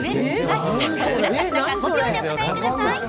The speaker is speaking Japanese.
５秒でお答えください。